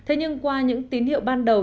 thế nhưng qua những tín hiệu ban đầu